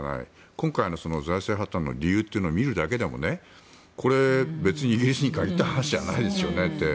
今回の財政破たんの理由というのを見るだけでもこれは別にイギリスに限った話ではないですよねと。